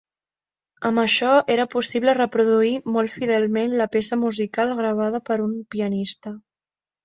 Amb això era possible reproduir molt fidelment la peça musical gravada per un pianista.